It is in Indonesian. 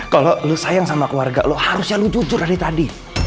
kalau lo sayang sama keluarga lo harusnya lo jujur dari tadi